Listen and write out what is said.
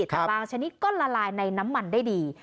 แต่บางชนิดก็ละลายในน้ำมันได้ดี